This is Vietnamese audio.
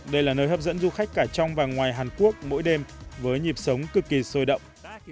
đây là nơi hấp dẫn du khách cả trong và ngoài hàn quốc mỗi đêm với nhịp sống cực kỳ sôi động